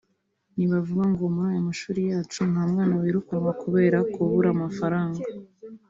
Ntibavuga ngo muri aya mashuri yacu nta mwana wirukanwa kubera kubura amafaranga